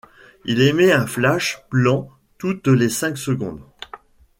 Il émet un flash blanc toutes les cinq secondes.